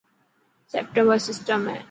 سيمپٽمبر سٽم هي.